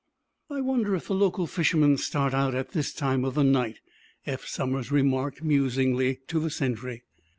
"I wonder if the local fishermen start out at this time of the night?" Eph Somers remarked, musingly, to the sentry.